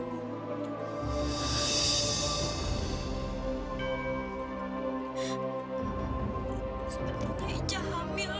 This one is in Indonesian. sebenernya ica hamil